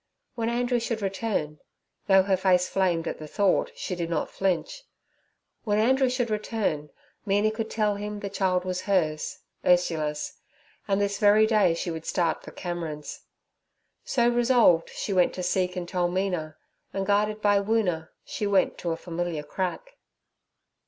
When Andrew should return,—though her face flamed at the thought, she did not flinch—when Andrew should return, Mina could tell him the child was hers (Ursula's); and this very day she would start for Camerons. So resolved, she went to seek and tell Mina, and guided by Woona, she went to a familiar crack.